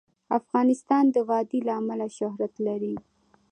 افغانستان د وادي له امله شهرت لري.